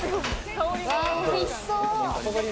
おいしそう！